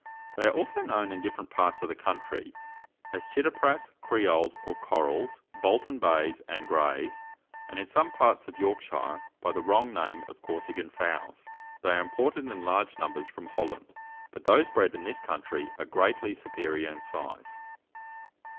They are also known in different parts of the country, as Chitteprats, Creoles, or Corals, Bolton bays and grays, and, in some parts of Yorkshire, by the wrong name of Corsican fowls. They are imported in large numbers from Holland, but those bred in this country are greatly superior in size.